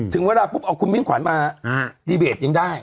ถึงเวลาปุ๊บเอาคุณมิ่งขวัญมาดีเบตยังได้